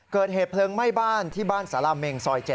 เกิดเหตุเพลิงไหม้บ้านที่บ้านสาราเมงซอย๗